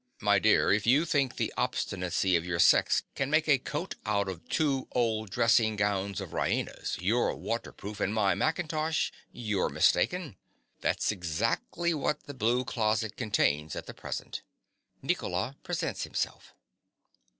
_) My dear: if you think the obstinacy of your sex can make a coat out of two old dressing gowns of Raina's, your waterproof, and my mackintosh, you're mistaken. That's exactly what the blue closet contains at present. (_Nicola presents himself.